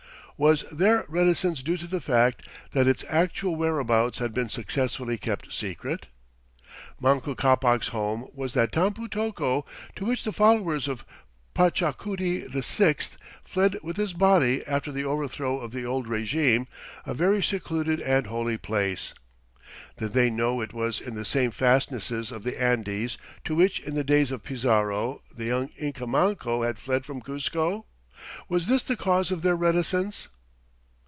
Was their reticence due to the fact that its actual whereabouts had been successfully kept secret? Manco Ccapac's home was that Tampu tocco to which the followers of Pachacuti VI fled with his body after the overthrow of the old régime, a very secluded and holy place. Did they know it was in the same fastnesses of the Andes to which in the days of Pizarro the young Inca Manco had fled from Cuzco? Was this the cause of their reticence?